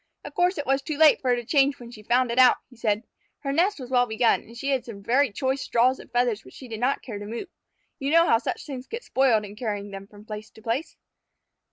"Of course it was too late for her to change when she found it out," he said. "Her nest was well begun, and she had some very choice straws and feathers which she didn't care to move. You know how such things get spoiled in carrying them from place to place."